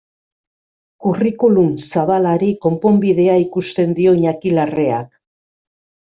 Curriculum zabalari konponbidea ikusten dio Iñaki Larreak.